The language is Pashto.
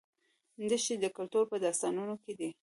دښتې د کلتور په داستانونو کې دي.